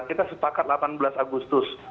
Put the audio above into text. kita sepakat delapan belas agustus